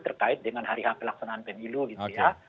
terkait dengan hari pelaksanaan penilu gitu ya